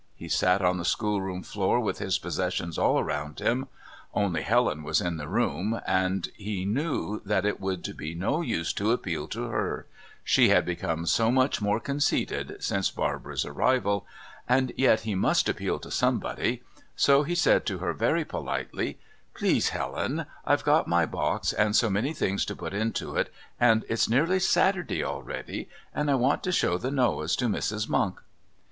He sat on the schoolroom floor with his possessions all around him. Only Helen was in the room, and he knew that it would be no use to appeal to her she had become so much more conceited since Barbara's arrival and yet he must appeal to somebody, so he said to her very politely: "Please, Helen, I've got my box and so many things to put into it and it's nearly Saturday already and I want to show the Noahs to Mrs. Monk."